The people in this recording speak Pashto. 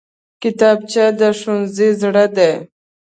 کتابچه د ښوونځي زړه دی